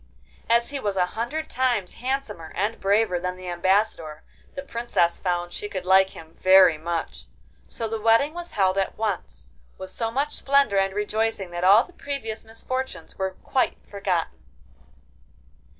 As he was a hundred times handsomer and braver than the Ambassador, the Princess found she could like him very much. So the wedding was held at once, with so much splendour and rejoicing that all the previous misfortunes were quite forgotten.